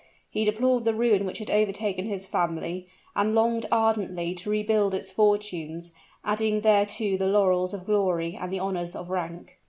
He deplored the ruin which had overtaken his family, and longed ardently to rebuild its fortunes, adding thereto the laurels of glory and the honors of rank.